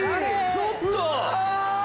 ちょっと！